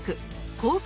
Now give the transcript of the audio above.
航空